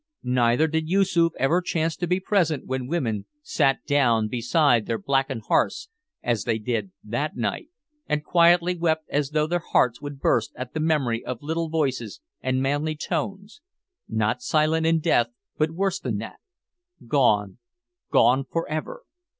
Neither did Yoosoof ever chance to be present when women sat down beside their blackened hearths, as they did that night, and quietly wept as though their hearts would burst at the memory of little voices and manly tones not silent in death, but worse than that gone, gone for ever!